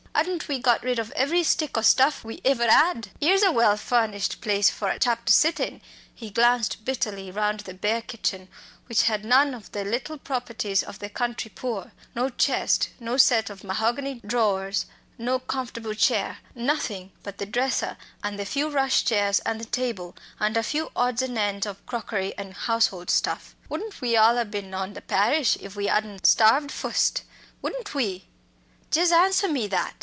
'Adn't we got rid of every stick o' stuff we iver 'ad? 'Ere's a well furnished place for a chap to sit in!" he glanced bitterly round the bare kitchen, which had none of the little properties of the country poor, no chest, no set of mahogany drawers, no comfortable chair, nothing, but the dresser and the few rush chairs and the table, and a few odds and ends of crockery and household stuff "wouldn't we all a bin on the parish, if we 'adn't starved fust wouldn't we? jes' answer me that!